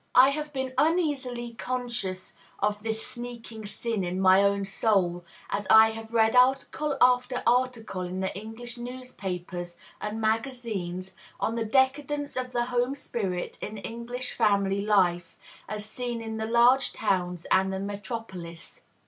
I have been uneasily conscious of this sneaking sin in my own soul, as I have read article after article in the English newspapers and magazines on the "decadence of the home spirit in English family life, as seen in the large towns and the metropolis."